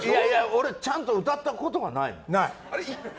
俺ちゃんと歌ったことない。